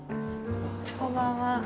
こんばんは。